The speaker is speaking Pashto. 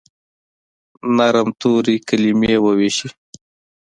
نرم توري، کلیمې وویشي